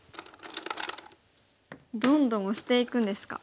どんどんオシていくんですか。